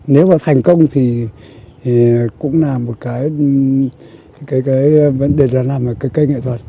nếu mà thành công thì cũng làm một cái cái vấn đề là làm một cái cây nghệ thuật